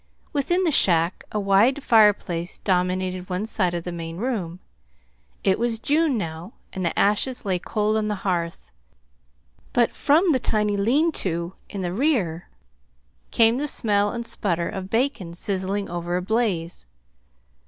Within the shack a wide fireplace dominated one side of the main room. It was June now, and the ashes lay cold on the hearth; but from the tiny lean to in the rear came the smell and the sputter of bacon sizzling over a blaze.